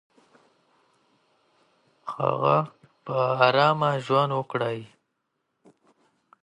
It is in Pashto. هغه به په آرامه ژوند وکړي.